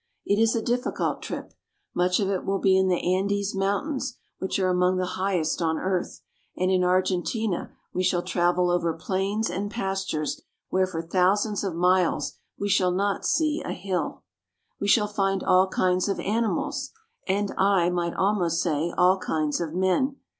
It is a difficult trip. Much of it will be in the Andes Mountains, which are among the highest on earth, and in Argentina we shall travel over plains and pastures where for thousands of miles we shall not see a hill. We shall find all kinds of animals and, I might almost say, all kinds of men.